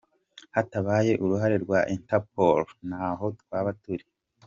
Hatabaye uruhare rwa Interpol ntaho twaba turi.